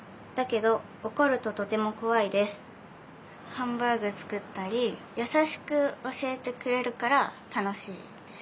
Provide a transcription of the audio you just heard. ハンバーグつくったりやさしくおしえてくれるからたのしいです。